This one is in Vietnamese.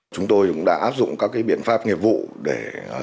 chúng tôi cũng đã áp dụng các biện pháp nghiệp vụ để